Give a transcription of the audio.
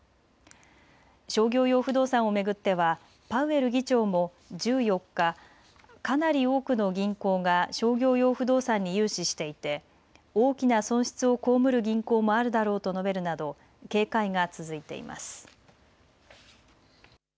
商業用不動産を巡ってはパウエル議長も１４日、かなり多くの銀行が商業用不動産に融資していて大きな損失を被る銀行もあるだろうと述べるなど警戒が続いています。